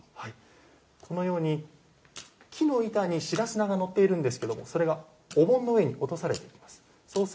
このように木の板に白砂が乗っているんですけどもそれがお盆の上に落とされています。